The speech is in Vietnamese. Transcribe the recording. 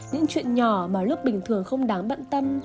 những chuyện nhỏ mà lớp bình thường không đáng bận tâm